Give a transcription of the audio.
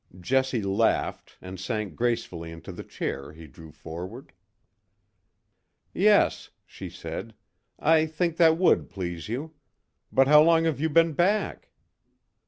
Jessie laughed, and sank gracefully into the chair he drew forward. "Yes," she said. "I think that would please you. But how long have you been back?"